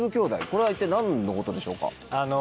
これは一体何のことでしょうか？